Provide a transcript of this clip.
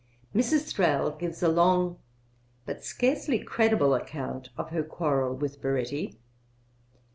Mrs. Thrale gives a long but scarcely credible account of her quarrel with Baretti.